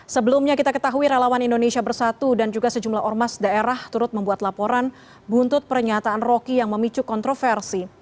sebelumnya kita ketahui relawan indonesia bersatu dan juga sejumlah ormas daerah turut membuat laporan buntut pernyataan roky yang memicu kontroversi